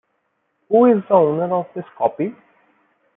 Who is the owner of this copy?